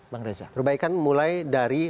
bang reza perbaikan mulai dari